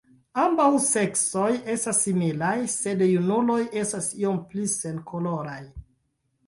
Ambaŭ seksoj estas similaj, sed junuloj estas iom pli senkoloraj.